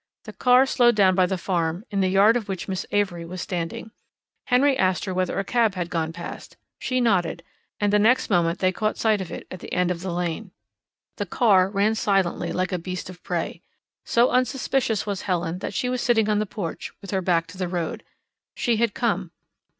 The car slowed down by the farm, in the yard of which Miss Avery was standing. Henry asked her whether a cab had gone past. She nodded, and the next moment they caught sight of it, at the end of the lane. The car ran silently like a beast of prey. So unsuspicious was Helen that she was sitting on the porch, with her back to the road. She had come.